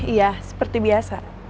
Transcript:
iya seperti biasa